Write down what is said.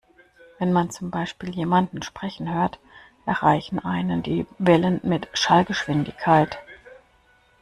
Wenn man zum Beispiel jemanden sprechen hört, erreichen einen die Wellen mit Schallgeschwindigkeit.